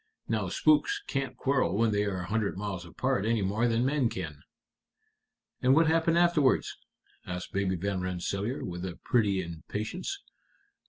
Now spooks can't quarrel when they are a hundred miles apart any more than men can." "And what happened afterwards?" asked Baby Van Rensselaer, with a pretty impatience.